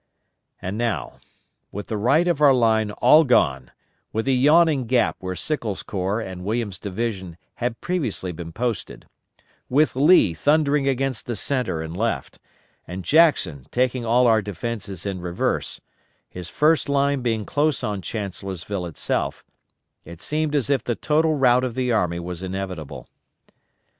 And now, with the right of our line all gone, with a yawning gap where Sickles' corps and Williams' division had previously been posted, with Lee thundering against the centre and left, and Jackson taking all our defences in reverse, his first line being close on Chancellorsville itself, it seemed as if the total rout of the army was inevitable.